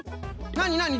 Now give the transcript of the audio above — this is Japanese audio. なになに？